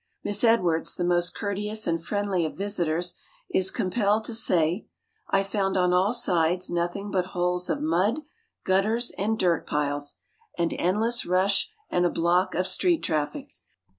Miss Edwards, the most courteous and friendly of visitors, is compelled to say: "I found on all sides nothing but holes of mud, gutters, and dirt piles, an endless rush and a block of street traffic.